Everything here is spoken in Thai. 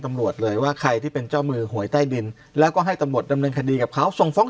ตำรวจเลยว่าใครที่เป็นเจ้ามือหวยใต้ดินแล้วก็ให้ตำรวจดำเนินคดีกับเขาส่งฟ้อง